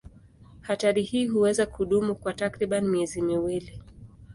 Hatari hii huweza kudumu kwa takriban miezi miwili.